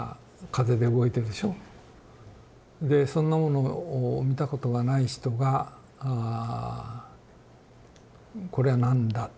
でそんなものを見たことがない人が「こりゃなんだ？」ですよね。